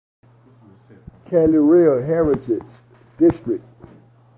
Calle Real Heritage District.